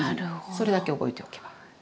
それだけ覚えておけば。